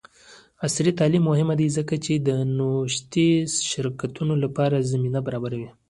عصري تعلیم مهم دی ځکه چې د نوښتي شرکتونو لپاره زمینه برابروي.